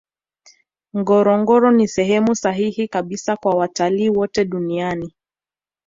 ngorongoro ni sehemu sahihi kabisa kwa watalii wote dunian